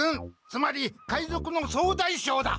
つまり海賊の総大将だ。